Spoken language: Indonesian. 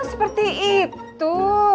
oh seperti itu